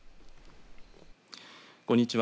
こんにちは。